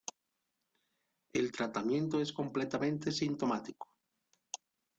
El tratamiento es completamente sintomático.